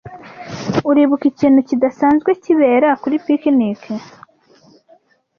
Uribuka ikintu kidasanzwe kibera kuri picnic?